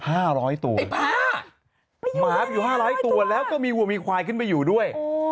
ไอ้ป๊ามาอยู่๕๐๐ตัวแล้วก็มีหัวมีควายขึ้นไปอยู่ด้วย